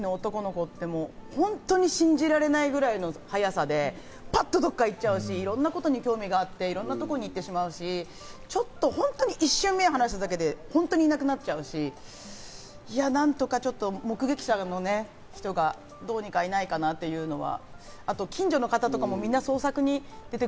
３歳の男の子って本当に信じられないくらいの速さでパッとどこかに行っちゃうし、いろんなことに興味があって、いろんなところに行ってしまうし、ちょっとほんとに、一瞬、目を離しただけで本当になくなっちゃうし、何とか目撃者の人がね、どうにかいないかなっていうのは。